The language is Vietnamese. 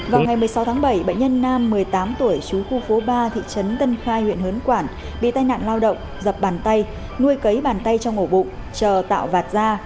vào ngày một mươi sáu tháng bảy bệnh nhân nam một mươi tám tuổi chú khu phố ba thị trấn tân khai huyện hớn quản bị tai nạn lao động dập bàn tay nuôi cấy bàn tay trong ổ bụng chờ tạo vạt da